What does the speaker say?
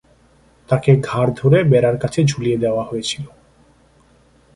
তাকে ঘাড় ধরে বেড়ার কাছে ঝুলিয়ে দেওয়া হয়েছিল।